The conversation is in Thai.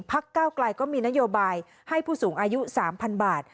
ก้าวไกลก็มีนโยบายให้ผู้สูงอายุ๓๐๐๐บาท